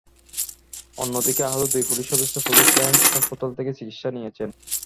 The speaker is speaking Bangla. অন্যদিকে আহত দুই পুলিশ সদস্য পুলিশ লাইনস হাসপাতাল থেকে চিকিৎসা নিয়েছেন।